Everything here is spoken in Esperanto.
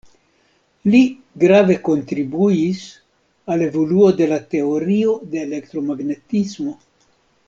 Li grave kontribuis al evoluo de la teorio de elektromagnetismo.